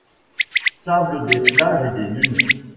Sable des plages et des dunes.